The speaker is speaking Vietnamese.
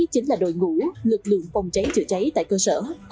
chính là đội ngũ lực lượng phòng cháy chữa cháy tại cơ sở